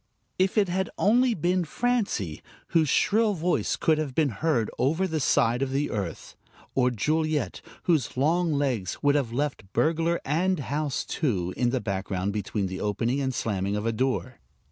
If it had only been Francie, whose shrill voice could have been heard over the side of the earth, or Juliet, whose long legs would have left burglar, and house, too, in the background between the opening and slamming of a door.